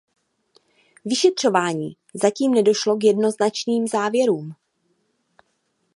Vyšetřování zatím nedošlo k jednoznačným závěrům.